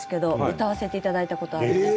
歌わせていただいたことあります。